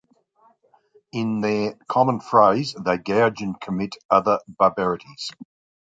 In their common frays they gouge and commit other barbarities.